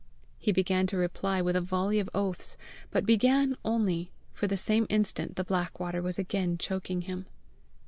He began to reply with a volley of oaths, but began only, for the same instant the black water was again choking him.